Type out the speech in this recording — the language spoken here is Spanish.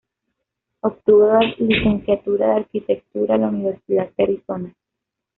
Obtuvo la licenciatura de Arquitectura en la Universidad de Arizona.